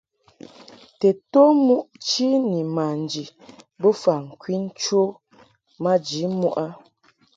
Tedtom muʼ chi ni manji bofa ŋkwin cho maji muʼ a.